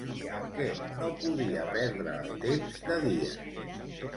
En què no podia perdre el temps de dia?